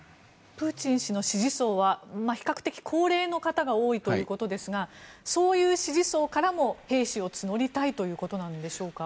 プーチン氏の支持層は比較的、高齢の方が多いということですがそういう支持層からも兵士を募りたいということでしょうか。